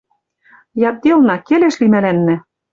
Ядделна: келеш ли мӓлӓннӓ